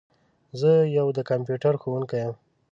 زه یو د کمپیوټر ښوونکي یم.